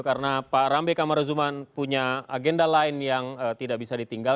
karena pak rambe kamaruzuman punya agenda lain yang tidak bisa ditinggal